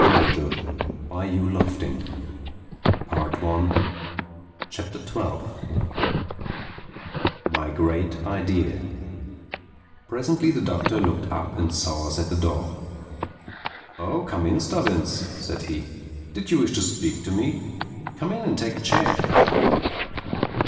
THE TWELFTH CHAPTER MY GREAT IDEA PRESENTLY the Doctor looked up and saw us at the door. "Oh—come in, Stubbins," said he, "did you wish to speak to me? Come in and take a chair."